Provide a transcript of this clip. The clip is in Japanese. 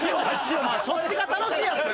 そっちが楽しいやつ？